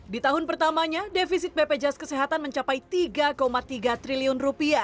di tahun pertamanya defisit bpjs kesehatan mencapai rp tiga tiga triliun